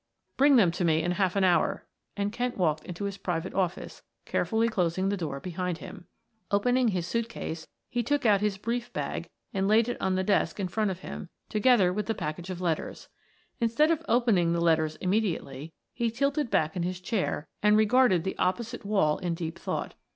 "Bring them to me in half an hour," and Kent walked into his private office, carefully closing the door behind him. Opening his suit case he took out his brief bag and laid it on the desk in front of him together with the package of letters. Instead of opening the letters immediately, he tilted back in his chair and regarded the opposite wall in deep thought.